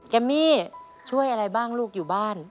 มมี่ช่วยอะไรบ้างลูกอยู่บ้าน